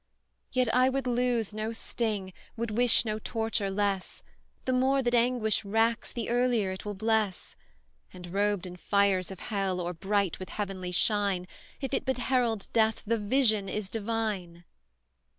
"Yet I would lose no sting, would wish no torture less; The more that anguish racks, the earlier it will bless; And robed in fires of hell, or bright with heavenly shine, If it but herald death, the vision is divine!"